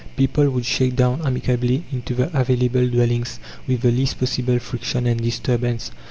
People would shake down amicably into the available dwellings with the least possible friction and disturbance.